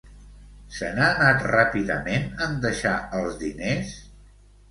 Se n'ha anat ràpidament en deixar els diners?